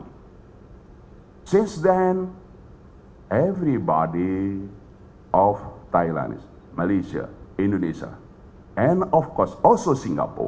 sejak itu semua orang dari thailand malaysia indonesia dan juga singapura